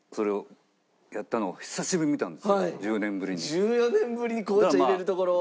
１４年ぶりに紅茶を入れるところを。